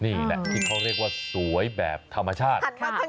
นี่แหละที่เขาเรียกว่าสวยแบบธรรมชาติ